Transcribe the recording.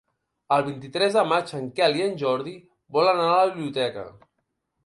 El vint-i-tres de maig en Quel i en Jordi volen anar a la biblioteca.